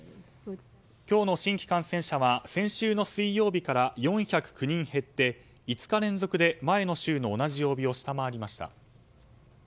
今日の新規感染者は先週の水曜日から４０９人減って５日連続で前の週の同じ曜日を下回りました。